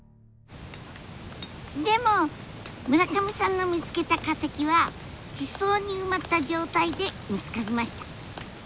でも村上さんの見つけた化石は地層に埋まった状態で見つかりました。